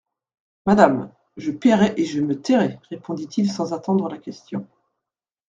Madame, je payerai et je me tairai, répondit-il sans attendre la question.